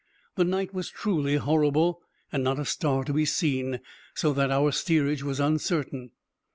The night was truly horrible, and not a star to be seen, so that our steerage was uncertain.